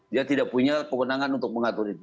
dia tidak punya kewenangan untuk mengatur itu